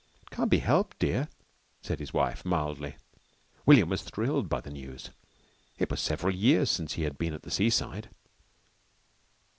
"It can't be helped dear," said his wife mildly. William was thrilled by the news. It was several years since he had been at the seaside.